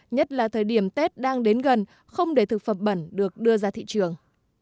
nhất là thời điểm tết đang đến gần không để thực phẩm bẩn được đưa ra thị trường